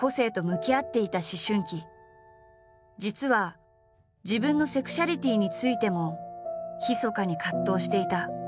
実は自分のセクシュアリティーについてもひそかに葛藤していた。